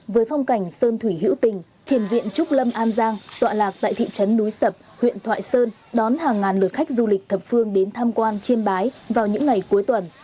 với phong cảnh sơn thủy hữu tình thiền viện trúc lâm an giang tọa lạc tại thị trấn núi sập huyện thoại sơn đón hàng ngàn lượt khách du lịch thập phương đến tham quan chiêm bái vào những ngày cuối tuần